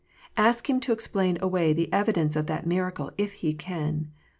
Ask him to explain away the evidence of that miracle, if he can.